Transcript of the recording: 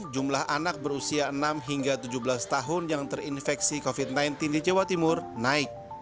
jumlah anak berusia enam hingga tujuh belas tahun yang terinfeksi covid sembilan belas di jawa timur naik